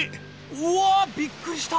うわびっくりした！